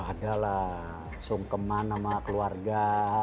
ya ada lah sungkeman sama keluarga